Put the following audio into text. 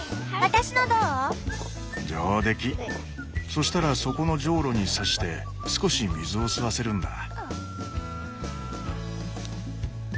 そしたらそこのジョウロに挿して少し水を吸わせるんだ。